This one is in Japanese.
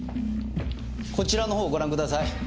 こちらの方をご覧ください。